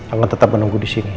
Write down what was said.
akan tetap menunggu disini